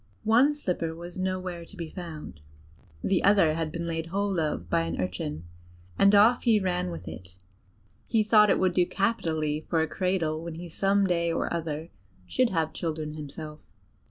One slipper was nowhere to be found; the other had been laid hold of by an urchin, and off he ran with it; he thought it would do capitally for a cradle when he some day or other should have children himself.